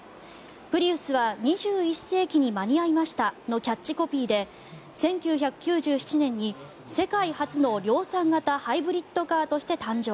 プリウスは「２１世紀に間に合いました。」のキャッチコピーで１９９７年に世界初の量産型ハイブリッドカーとして誕生。